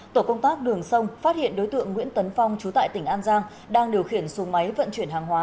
tổ công tác đường sông phát hiện đối tượng nguyễn tấn phong trú tại tỉnh an giang đang điều khiển xuống máy vận chuyển hàng hóa